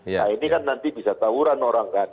ya ini kan nanti bisa tahuran orang kan